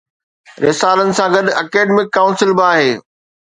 رسالن سان گڏ، اڪيڊمڪ ڪائونسل به آهي.